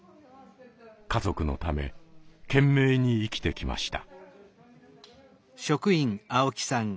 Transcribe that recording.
家族のため懸命に生きてきました。